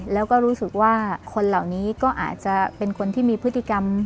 แล้วก็รู้สึกว่าคนเหล่านี้ก็อาจจะเป็นคนที่มีพฤติกรรม